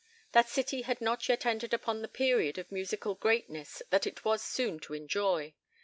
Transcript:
That city had not yet entered upon the period of musical greatness that it was soon to enjoy.